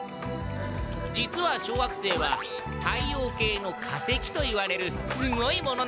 実は小惑星は太陽系の化石といわれるすごいものなんだ！